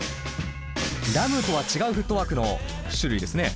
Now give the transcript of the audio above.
ＲＡＭとは違うフットワークの種類ですね。